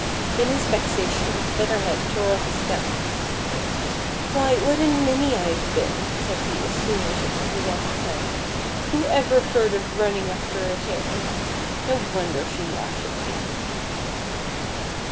In his vexation. Feather Head tore off his cap, " Why, what a ninny I have been," said he as soon as it was off his head ;" who ever heard of running after a hare t No wonder she laughed at me."